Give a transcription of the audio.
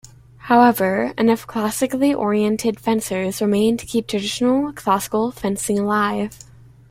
However, enough classically oriented fencers remained to keep traditional, classical fencing alive.